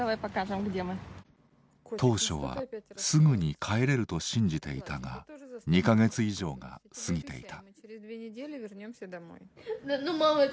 当初はすぐに帰れると信じていたが２か月以上が過ぎていた。